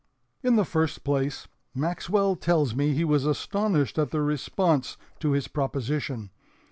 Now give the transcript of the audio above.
"In the first place, Maxwell tells me he was astonished at the response to his proposition.